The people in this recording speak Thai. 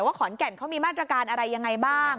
ว่าขอนแก่นเขามีมาตรการอะไรยังไงบ้าง